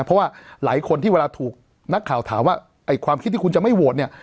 เพราะว่าหลายคนที่เวลาถูกนักข่าวถามว่าไอ้ความคิดที่คุณจะไม่โหวตเนี่ย